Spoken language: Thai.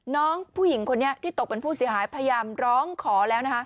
น้องผู้หญิงคนนี้ที่ตกเป็นผู้เสียหายพยายามร้องขอแล้วนะคะ